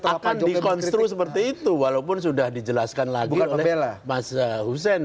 akan dikonstru seperti itu walaupun sudah dijelaskan lagi oleh mas hussein